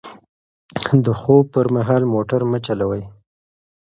د خوب پر مهال موټر مه چلوئ.